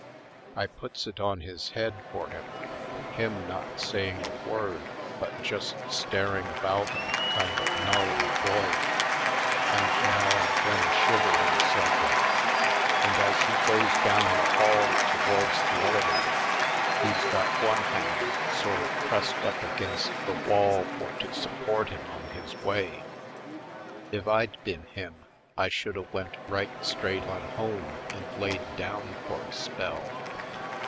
I puts it on his head for him, him not saying a word but just staring about him kind of null and void, and now and then shivering slightly; and as he goes down the hall towards the elevator he's got one hand sort of pressed up against the wall for to support him on his way. If I'd been him I should a went right straight on home and laid down for a spell.